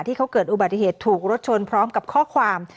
ที่เขาเกิดอุบัติเหตุถูกรถชนพร้อมกับข้อความ